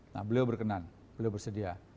nah beliau berkenan beliau bersedia